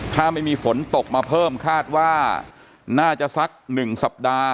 ถ้าไม่มีฝนตกมาเพิ่มคาดว่าน่าจะสัก๑สัปดาห์